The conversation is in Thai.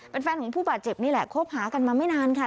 เป็นแฟนของผู้บาดเจ็บนี่แหละคบหากันมาไม่นานค่ะ